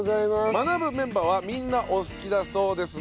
マナブメンバーはみんなお好きだそうですが。